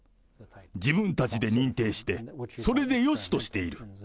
自分たちで認定して、それでよしとしている。